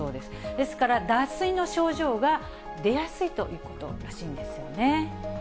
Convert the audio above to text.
ですから、脱水の症状が出やすいということらしいんですよね。